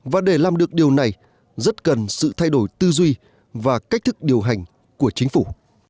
và để làm được điều này rất cần sự thay đổi tư duy và cách thức điều hành của chính phủ